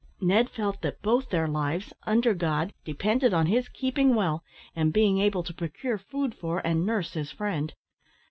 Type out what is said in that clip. Ned felt that both their lives, under God, depended on his keeping well, and being able to procure food for, and nurse, his friend.